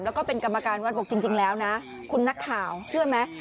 แล้วก็เป็นกรรมการวัดบอกจริงแล้วนะคุณนักข่าวเชื่อไหม